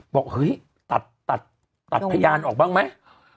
บอกเฮ้ยตัดพยานออกบ้างไหม